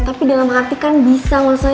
tapi dalam hati kan bisa masa